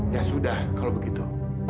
ya sudah kalau begitu